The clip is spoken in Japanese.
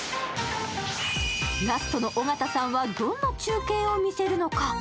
ラストの尾形さんはどんな中継を見せるのか？